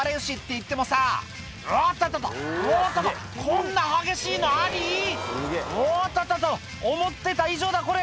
「こんな激しいのあり⁉」「おっとっとっと思ってた以上だこれ！」